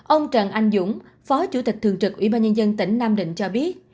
ông trần anh dũng phó chủ tịch thường trực ủy ban nhân dân tỉnh nam định cho biết